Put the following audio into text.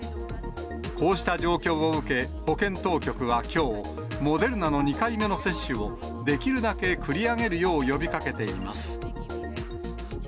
こうした状況を受け、保健当局はきょう、モデルナの２回目の接種を、できるだけ繰り上げるよう呼びかけています。